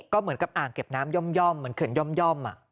ก็เหมือนกับอ่างเก็บน้ำย่อมเหมือนเขื่อนย่อม